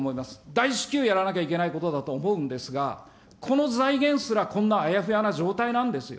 大至急やらなきゃいけないことだと思うんですが、この財源すら、こんなあやふやな状態なんですよ。